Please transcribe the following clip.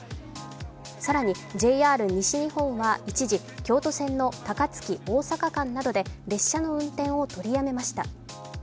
更にＪＲ西日本は一時、京都線の高槻大阪間で列車の運転を取りやめました。